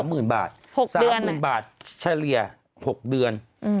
๖เดือนน่ะ๓๐๐๐๐บาทเฉลี่ย๖เดือน